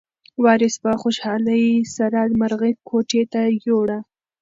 وارث په خوشحالۍ سره مرغۍ کوټې ته یووړه.